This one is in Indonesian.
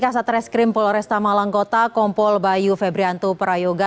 kasat reskrim polores tamalangkota kompol bayu febrianto prayoga